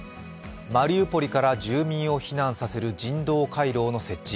マリウポリが住民を避難させる人道回廊の設置。